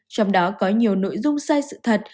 trong đó có nhiều nội dung sai sự thật